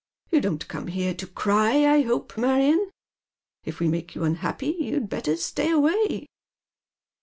" You don't come here to cry, I hope, Marion. If we make you unhappy you'd better stay away."